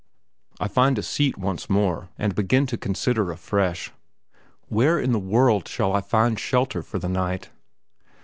I find a seat once more, and begin to consider afresh. Where in the world shall I find a shelter for the night?